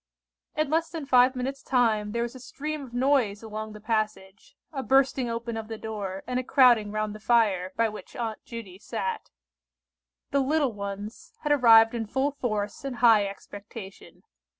In less than five minutes' time there was a stream of noise along the passage—a bursting open of the door, and a crowding round the fire, by which Aunt Judy sat. The "little ones" had arrived in full force and high expectation.